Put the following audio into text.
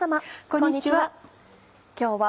こんにちは。